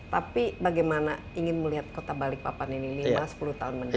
tapi bagaimana ingin melihat kota balikpapan ini